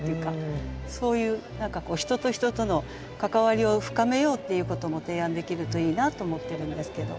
そういう何かこう人と人との関わりを深めようっていうことも提案できるといいなと思ってるんですけど。